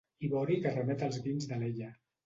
Ivori que remet als vins d'Alella.